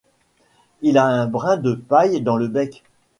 Il a un brin de paille dans le bec.